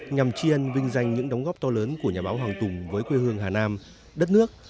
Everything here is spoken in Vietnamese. nhằm chiên vinh danh những đóng góp to lớn của nhà báo hoàng tùng với quê hương hà nam đất nước